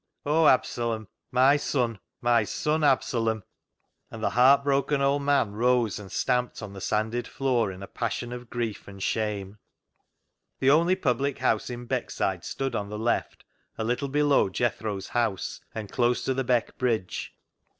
O Absalom ! my son ! my son Absalom !" and the heart broken old man rose and stamped on the sanded floor in a passion of grief and shame. The only public house in Beckside stood on the left, a little below Jethro's house and close to the Beck bridge.